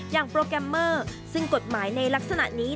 โปรแกรมเมอร์ซึ่งกฎหมายในลักษณะนี้